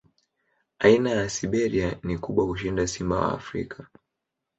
Aina ya Siberia ni kubwa kushinda simba wa Afrika.